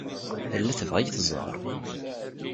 Tella tebɣa ad iyi-tẓer.